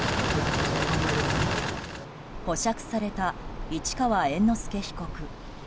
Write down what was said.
保釈された市川猿之助被告。